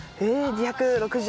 ２６０？